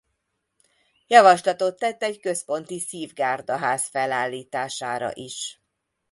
Javaslatot tett egy központi Szívgárda-ház felállítására is.